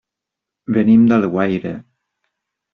Venim d'Alguaire.